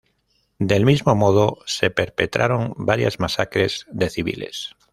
Del mismo modo se perpetraron varias masacres de civiles.